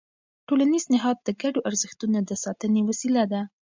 ټولنیز نهاد د ګډو ارزښتونو د ساتنې وسیله ده.